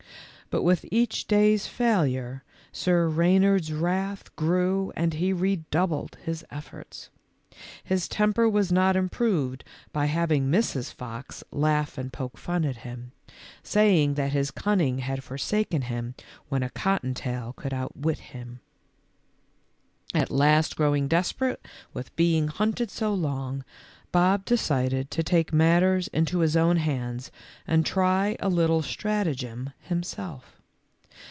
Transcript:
But w T ith each day's failure, Sir Reynard's wrath grew and he redoubled his efforts. His temper was not improved by having Mrs. Fox laugh and BOB'S REVENGE. 139 poke fun at him, saying that his cunning had forsaken him when a cotton tail could outwit him. At last growing desperate with being hunted so long, Bob decided to take matters into his own hands and try a little stratagem himself.